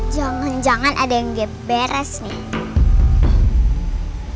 jangan jangan ada yang beres nih